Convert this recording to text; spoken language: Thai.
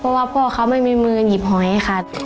เพราะว่าพ่อเขาไม่มีมือหยิบหอยค่ะ